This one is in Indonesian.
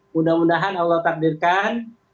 mudah mudahan allah takdirkan